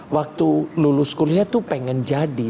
waktu lulus kuliah tuh pengen jadi